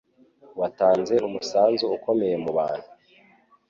Watanze umusanzu ukomeye mubantu